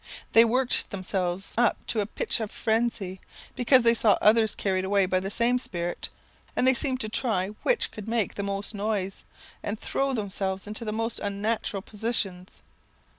They worked themselves up to a pitch of frenzy, because they saw others carried away by the same spirit; and they seemed to try which could make the most noise, and throw themselves into the most unnatural positions.